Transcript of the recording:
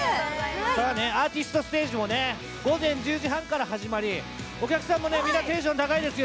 アーティストステージも午前１０時半から始まり、お客さんもみんなテンション高いですよ。